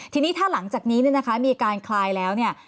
ทีนี้ถ้าหลังจากนี้มีการคลายแล้ว